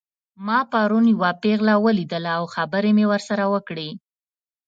ما پرون یوه پیغله ولیدله او خبرې مې ورسره وکړې